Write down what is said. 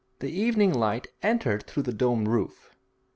The evening light entered through the domed roof.